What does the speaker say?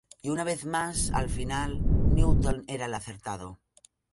Y una vez más, al final, Newton era el acertado.